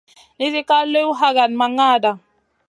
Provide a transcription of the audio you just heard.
Nizi ka liw hakada ma ŋada.